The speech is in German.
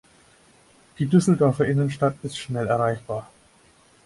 Die Düsseldorfer Innenstadt ist schnell erreichbar.